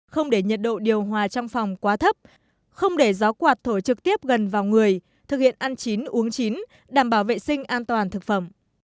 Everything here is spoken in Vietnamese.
không để nhiệt độ điều hòa trong phòng quá thấp không để gió quạt thổi trực tiếp gần vào người thực hiện ăn chín uống chín đảm bảo vệ sinh an toàn thực phẩm